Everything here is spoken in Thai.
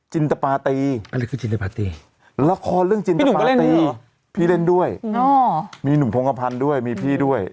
จินตปาตีอะไรคือจินตปาตีละครเรื่องจินตปาตีพี่เล่นด้วยมีหนุ่มพงภัณฑ์ด้วยมีพี่ด้วย